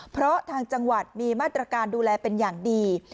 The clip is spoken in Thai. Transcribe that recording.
เพราะทางจังหวัดมีมาตรการดูแลเป็นอย่างดี